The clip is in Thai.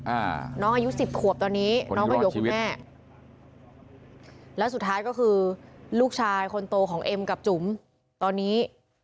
อ่าน้องอายุสิบขวบตอนนี้น้องก็ยกคุณแม่แล้วสุดท้ายก็คือลูกชายคนโตของเอ็มกับจุ๋มตอนนี้